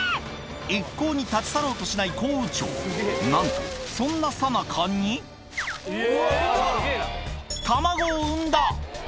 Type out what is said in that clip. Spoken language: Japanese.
一向に立ち去ろうとしないコウウチョウなんとそんなさなかに卵を産んだ！